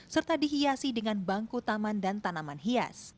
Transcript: serta dihiasi dengan bangku taman dan tanaman hias